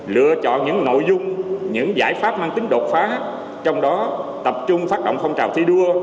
lựa chọn những nội dung những giải pháp mang tính đột phá trong đó tập trung phát động phong trào thi đua